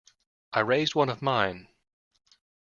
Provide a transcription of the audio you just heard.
I raised one of mine.